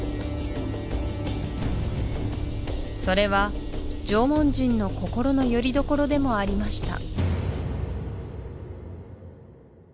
それは縄文人の心のよりどころでもありました